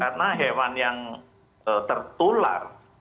karena hewan yang tertular